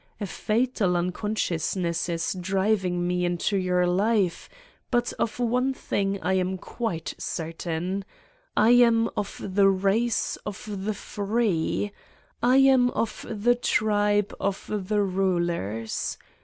A fatal unconsciousness is driving me into your life, but of one thing I am quite certain : I am of the race of the free. I am of the tribe of the rulers.